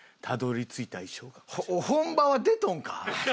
本場は出とんか？